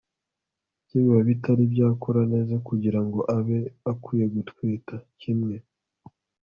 bye biba bitari byakura neza kugira ngo abe akwiye gutwita. kimwe